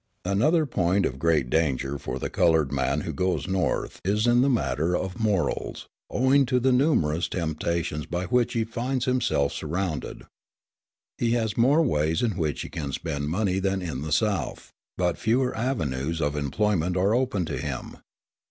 Another point of great danger for the coloured man who goes North is in the matter of morals, owing to the numerous temptations by which he finds himself surrounded. He has more ways in which he can spend money than in the South, but fewer avenues of employment are open to him.